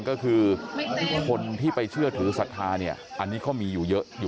ก็คือคนที่ไปเชื่อถือศรัทธาเนี่ยอันนี้ก็มีอยู่เยอะอยู่